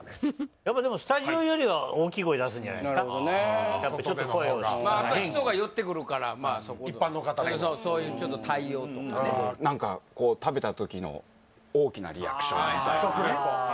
やっぱでもスタジオよりは大きい声出すんじゃないですかやっぱちょっと声をまああと人が寄ってくるから一般の方がそういうちょっと対応とかね何かこう食べた時の大きなリアクションみたいなあ